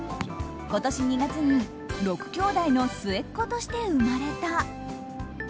今年２月に６きょうだいの末っ子として生まれた。